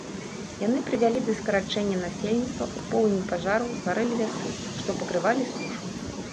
Яны прывялі да скарачэння насельніцтва, у полымі пажараў згарэлі лясы, што пакрывалі сушу.